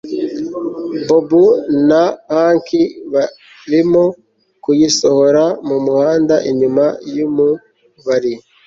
bob na hank barimo kuyisohora mumuhanda inyuma yumubari